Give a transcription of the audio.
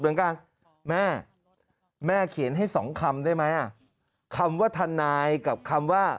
เหมือนกันแม่แม่เขียนให้สองคำได้ไหมอ่ะคำว่าทนายกับคำว่า